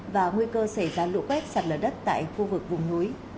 và nguy cơ xảy ra lũ quét sạt lở đất tại khu vực vùng núi